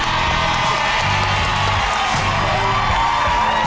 ขอให้กลับโทษ